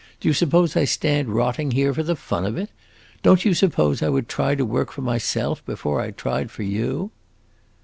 Do you suppose I stand rotting here for the fun of it? Don't you suppose I would try to work for myself before I tried for you?"